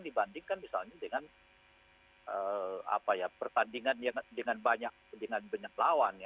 dibandingkan misalnya dengan pertandingan dengan banyak lawan